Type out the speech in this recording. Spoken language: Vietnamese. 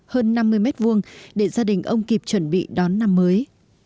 hơn năm mươi mét vuông để gia đình ông kịp chuẩn bị đón năm mới